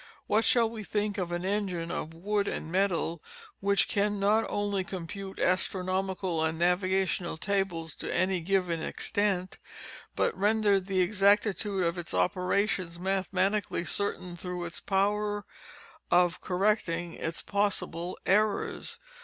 What shall we think of an engine of wood and metal which can not only compute astronomical and navigation tables to any given extent, but render the exactitude of its operations mathematically certain through its power of correcting its possible errors?